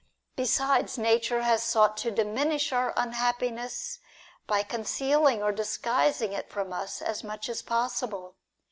Besides, Nature has sought to diminish our unhappiness by concealing or disguising it from us as much as pos sible.